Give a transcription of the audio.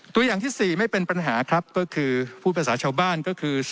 ตัวอย่างที่๔ไม่เป็นปัญหาครับก็คือพูดภาษาชาวบ้านก็คือ